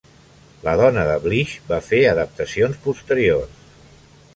La dona de Blish va fer adaptacions posteriors.